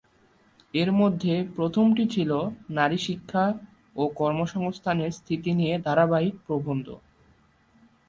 এর মধ্যে প্রথমটি ছিল নারী শিক্ষা ও কর্মসংস্থানের স্থিতি নিয়ে ধারাবাহিক প্রবন্ধ।